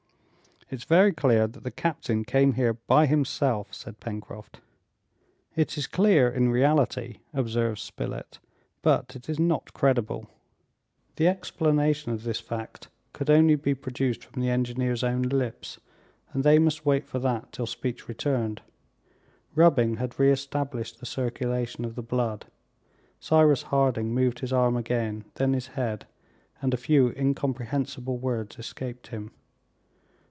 "It's very clear that the captain came here by himself," said Pencroft. "It is clear in reality," observed Spilett, "but it is not credible!" The explanation of this fact could only be produced from the engineer's own lips, and they must wait for that till speech returned. Rubbing had re established the circulation of the blood. Cyrus Harding moved his arm again, then his head, and a few incomprehensible words escaped him.